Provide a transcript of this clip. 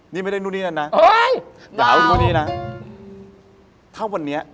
นี่ไม่ได้นู่นนี่นั่นนะ